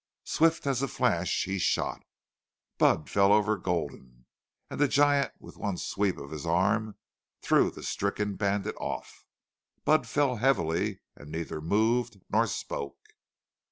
Swift as a flash he shot. Budd fell over Gulden, and the giant with one sweep of his arm threw the stricken bandit off. Budd fell heavily, and neither moved nor spoke.